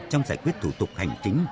trong giải quyết thủ tục hành chính